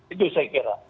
itu saya kira